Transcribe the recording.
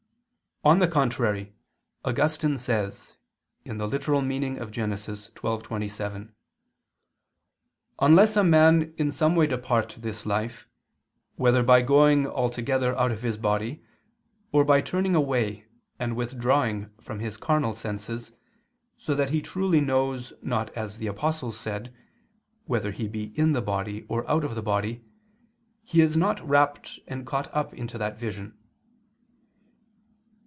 On the contrary, Augustine says (Gen. ad lit. xii, 27): "Unless a man in some way depart this life, whether by going altogether out of his body or by turning away and withdrawing from his carnal senses, so that he truly knows not as the Apostle said, whether he be in the body or out of the body, he is not rapt and caught up into that vision.